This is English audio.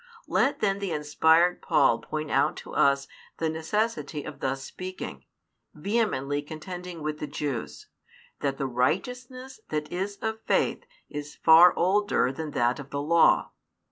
Let then the inspired Paul point out to us the necessity of thus speaking, vehemently contending with the Jews, that the righteousness that is of faith is far older than that of the Law.